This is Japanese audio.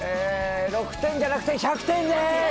６点じゃなくて１００点！